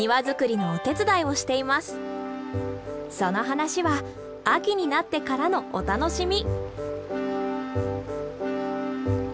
その話は秋になってからのお楽しみ。